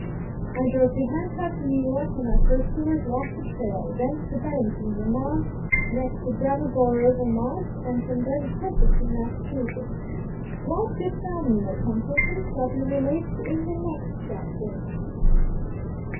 I drove to Hancock, N.Y., where my pursuers lost the trail; thence to Bennington, Vt., next to Brattleboro, Vt., and from there to Templeton, Mass. What befel me at Templeton, shall be related in the next chapter.